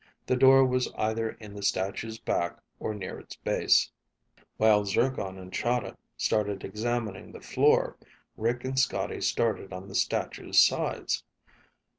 The door was either in the statue's back or near its base. While Zircon and Chahda started examining the floor, Rick and Scotty started on the statue's sides.